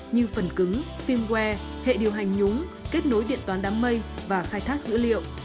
như phần cứng firmware hệ điều hành nhúng kết nối điện toán đám mây và khai thác dữ liệu